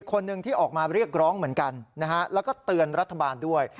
คนหนึ่งที่ออกมาเรียกร้องเหมือนกันนะฮะแล้วก็เตือนรัฐบาลด้วย